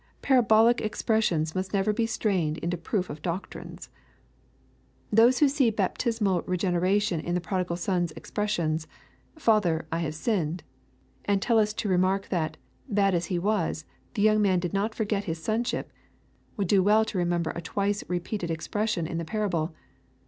Parabolic expressions must never be strained into proof of docrines. Those who see baptismal regeneration in the prodigal son's expressions, " Father, I have sinned," and tell us to remark that, bad as he was, the young man did not forget his sonship, would do well to remember a twice repeated expres sion in the parable.